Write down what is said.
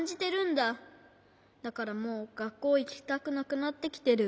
だからもうがっこういきたくなくなってきてる。